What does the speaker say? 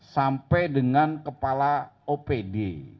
sampai dengan kepala opd